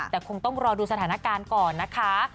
แต่คงต้องรอดูสถานการณ์ก่อนนะคะ